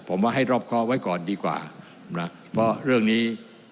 ผมว่าให้รอบครอบไว้ก่อนดีกว่านะเพราะเรื่องนี้